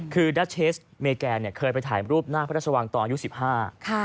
คือดัชเชสเมแกนเคยไปถ่ายรูปหน้าพระราชวังตอนยุค๑๕